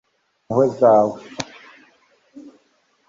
ikikijwe n'impuhwe zawe